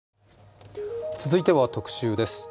続いては特集です。